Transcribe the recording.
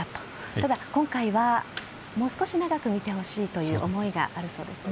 ただ、今回はもう少し長く見てほしいという思いがあるそうですね。